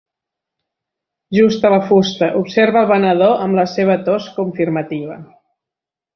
"Justa la fusta", observa el venedor amb la seva tos confirmativa.